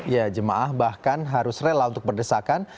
ya jemaah bahkan harus rela untuk berdesakan